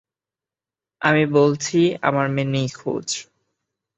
আমি বলছি আমার মেয়ে নিখোঁজ।